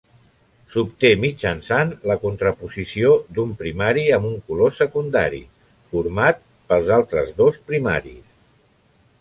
S'obté mitjançant la contraposició d'un primari amb un color secundari format pels altres dos primaris.